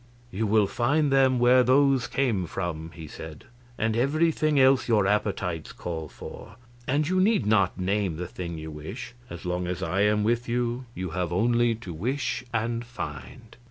"You will find them where those came from," he said, "and everything else your appetites call for; and you need not name the thing you wish; as long as I am with you, you have only to wish and find."